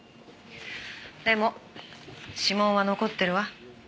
でも指紋は残ってるわ。